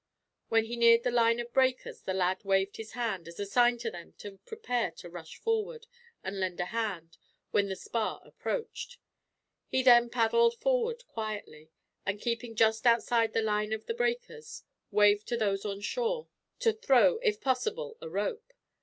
When he neared the line of breakers the lad waved his hand, as a sign to them to prepare to rush forward, and lend a hand, when the spar approached. He then paddled forward quietly and, keeping just outside the line of the breakers, waved to those on shore to throw, if possible, a rope.